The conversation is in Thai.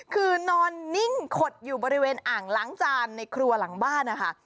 คือนอนนิ่งขดอยู่บริเวณอ่างล้างจานในครัวหลังบ้านนะคะ